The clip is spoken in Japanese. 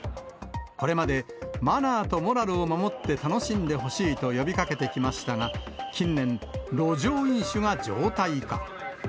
これまでマナーとモラルを守って楽しんでほしいと呼びかけてきましたが、近年、路上飲酒が常態化。